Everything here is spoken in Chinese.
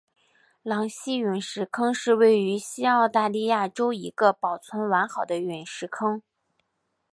狼溪陨石坑是位于西澳大利亚州一个保存完好的陨石坑。